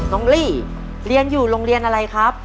ลี่เรียนอยู่โรงเรียนอะไรครับ